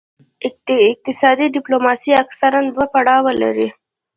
اقتصادي ډیپلوماسي اکثراً دوه پړاوونه لري